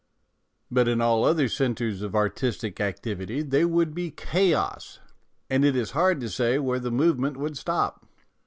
But in all other centres of artistic activity there would be chaos, and it is hard to say where the movement would stop.